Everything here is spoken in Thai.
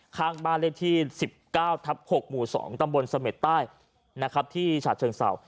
ข้างบ้านเลขที่๑๙ทับ๖หมู่๒ตำบลเสม็ดใต้นะครับที่ฉาเชิงเศร้า